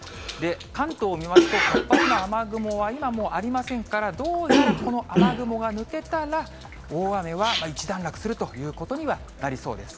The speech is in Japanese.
関東を見ますと、活発な雨雲は、今もうありませんから、どうやらこの雨雲が抜けたら、大雨は一段落するということにはなりそうです。